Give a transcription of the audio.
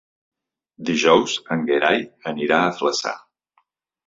Dijous en Gerai anirà a Flaçà.